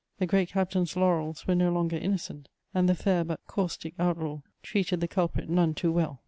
The great captain's laurels were no longer innocent, and the fair but caustic outlaw treated the culprit none too well.